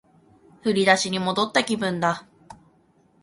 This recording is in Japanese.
振り出しに戻った気分だ